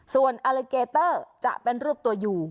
ส่วนอลิเกเตอร์จะเป็นรูปตัวอยู่